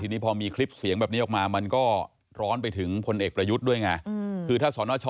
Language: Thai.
คุณที่เขาหวังแล้วมันก็จะมาเป็นที่ฝุตศาสตร์กันต่าง